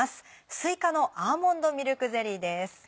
「すいかのアーモンドミルクゼリー」です。